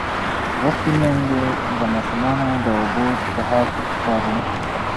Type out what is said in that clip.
لوستې میندې د ماشومانو د اوبو څښاک څاري.